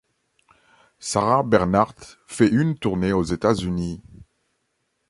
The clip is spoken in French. Sarah Bernhardt fait une tournée aux États-Unis.